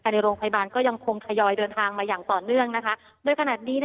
ในโรงพยาบาลยังคงด้วยทางคล้องหมาย